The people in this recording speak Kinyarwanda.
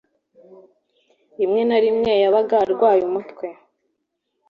Rimwe na rimwe, yabaga arwaye umutwe.